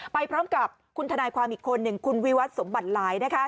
ไปพร้อมกับคุณทนายความอีกคนหนึ่งคุณวิวัตสมบัติหลายนะคะ